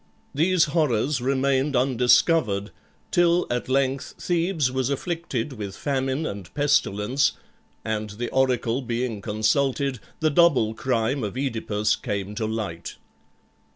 These horrors remained undiscovered, till at length Thebes was afflicted with famine and pestilence, and the oracle being consulted, the double crime of OEdipus came to light.